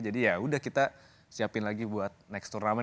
jadi ya udah kita siapin lagi buat next turnamen